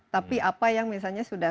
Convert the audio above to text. tapi apa yang misalnya sudah